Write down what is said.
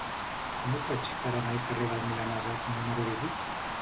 Com ho faig per anar al carrer del Milanesat número divuit?